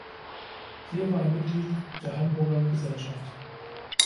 Hier war er Mitglied der "Hamburger Gesellschaft".